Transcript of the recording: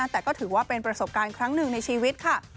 แต่ก็ถือว่าเป็นประสบการณ์ครั้งหนึ่งในชีวิตค่ะ